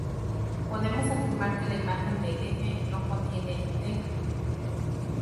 Podemos afirmar que la imagen de "F" no contiene "t".